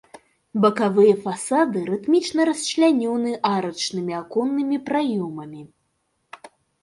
Бакавыя фасады рытмічна расчлянёны арачнымі аконнымі праёмамі.